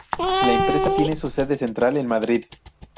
La empresa tiene su sede central en Madrid.